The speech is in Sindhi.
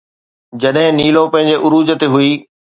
جڏهن نيلو پنهنجي عروج تي هئي.